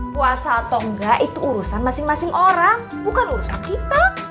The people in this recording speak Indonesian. puasa atau enggak itu urusan masing masing orang bukan urusan kita